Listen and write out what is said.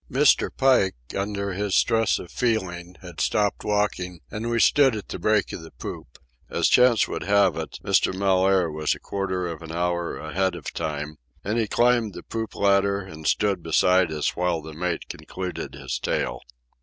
Mr. Pike, under his stress of feeling, had stopped walking, and we stood at the break of the poop. As chance would have it, Mr. Mellaire was a quarter of an hour ahead of time, and he climbed the poop ladder and stood beside us while the mate concluded his tale.